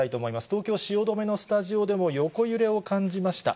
東京・汐留のスタジオでも横揺れを感じました。